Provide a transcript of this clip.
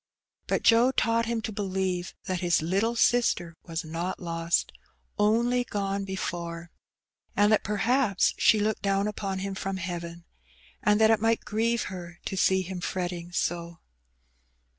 But Joe taught him to believe that his little sister was not lost, only gone before, and that perhaps she looked down upon him from heaven, and that it might grieve her to see him fret ting so.